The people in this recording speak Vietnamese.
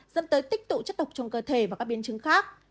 dẫn tới tích tụ chất độc trong cơ thể và các biến chứng khác